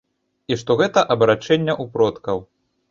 І што гэта абарачэнне ў продкаў.